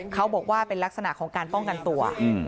เขาบอกว่าเป็นลักษณะของการป้องกันตัว